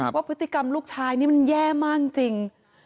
ว่าพฤติกรรมลูกชายนี่มันแย่มากจริง